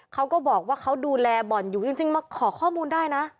เขาก็บอกว่าเขาดูแลบ่อนอยู่จริงมาขอข้อมูลได้นะ